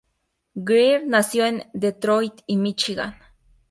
Greer nació en Detroit, Míchigan.